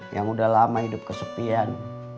yang udah lama hidup kesepian